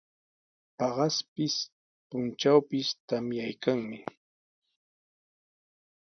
Paqaspis, puntrawpis tamyaykanmi.